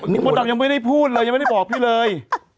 มดดำยังไม่ได้พูดเลยยังไม่ได้บอกพี่เลย